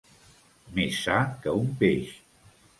Més sa que un peix.